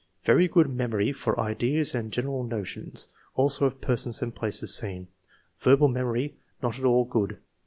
'' Very good memory for ideas aad general notions, also of persons and places seen ; verbal memory not at all good.